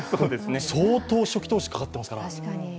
相当、初期投資かかってますから。